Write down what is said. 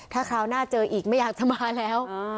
ถ้าคราวหน้าเจออีกไม่อยากจะมาแล้ว